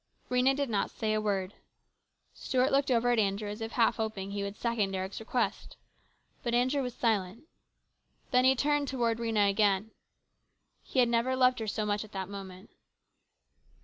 Rhena did not say a word. Stuart looked over at Andrew as if half hoping he would second Eric's request. But Andrew was silent. Then he turned 262 HIS BROTHER'S KEEPER. towards Rhena again. He had never loved her so much as at that moment.